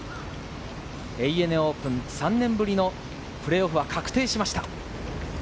オープン３年ぶりのプレーオフは確定しました。